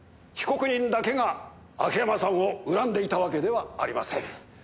被告人だけが秋山さんを恨んでいたわけではありません。